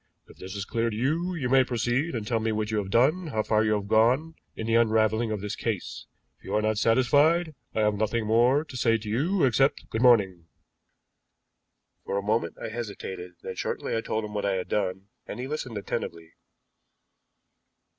If this is clear to you, you may proceed and tell me what you have done, how far you have gone in the unraveling of this case; if you are not satisfied, I have nothing more to say to you except 'Good morning!'" For a moment I hesitated, then shortly I told him what I had done, and he listened attentively.